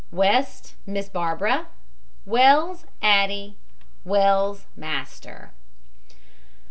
WEST, MISS BARBARA. WELLS, ADDIE. WELLS, MASTER.